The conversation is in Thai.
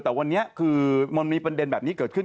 แต่วันนี้คือมันมีประเด็นแบบนี้เกิดขึ้น